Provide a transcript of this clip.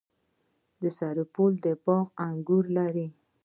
د سرپل باغونه انګور لري.